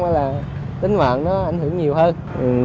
hoặc là tính mạng nó ảnh hưởng nhiều hơn